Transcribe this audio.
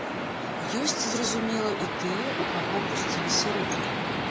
Ёсць, зразумела, і тыя, у каго апусціліся рукі.